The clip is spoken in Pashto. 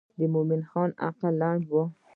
د مومن خان عقل لنډ و.